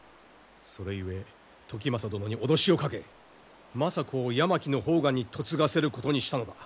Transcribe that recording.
それゆえ時政殿に脅しをかけ政子を山木判官に嫁がせることにしたのだ。